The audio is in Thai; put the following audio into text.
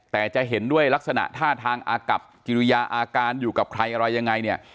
แต่จะเห็นด้วยลักษณะท่าทางอากับกิริยาอาการอยู่กับใครอะไรยังไงเนี่ย